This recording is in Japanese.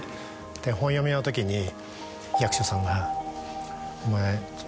で本読みのときに役所さんが。